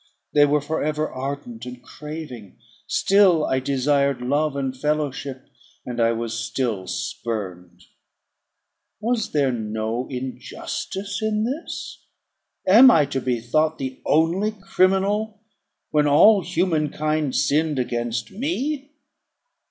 They were for ever ardent and craving; still I desired love and fellowship, and I was still spurned. Was there no injustice in this? Am I to be thought the only criminal, when all human kind sinned against me?